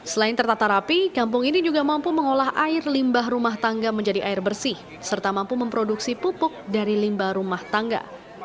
selain tertata rapi kampung ini juga mampu mengolah air limbah rumah tangga menjadi air bersih serta mampu memproduksi pupuk dari limbah rumah tangga